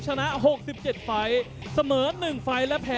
สวัสดีครับสวัสดีครับ